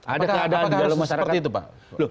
apakah harus seperti itu pak